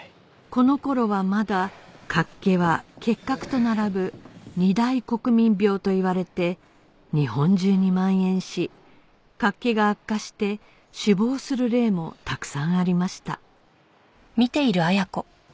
この頃はまだ脚気は結核と並ぶ二大国民病といわれて日本中に蔓延し脚気が悪化して死亡する例もたくさんありました